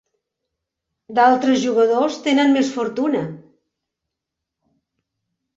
D'altres jugadors tenen més fortuna.